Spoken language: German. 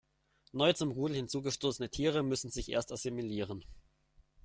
Neu zum Rudel hinzugestoßene Tiere müssen sich erst assimilieren.